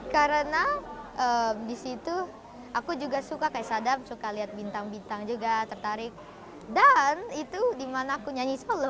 karena di situ aku juga suka kayak sadam suka lihat bintang bintang juga tertarik dan itu dimana aku nyanyi solo